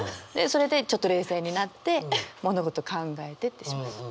それでちょっと冷静になって物事考えてってします。